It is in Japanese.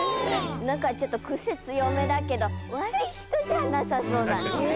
なんかちょっとクセつよめだけどわるいひとじゃなさそうだね。